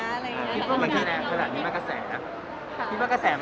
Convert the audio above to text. คิดว่ามันเกลียดแรงเท่านี้มากระแสนะ